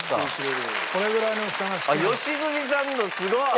良純さんのすごい！